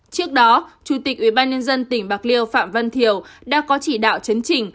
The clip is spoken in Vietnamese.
trước đó chủ tịch ubnd tỉnh bạc liêu phạm văn thiều đã có chỉ đạo chấn chỉnh